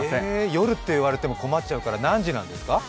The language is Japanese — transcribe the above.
夜って言われても困っちゃうから何時なんですか？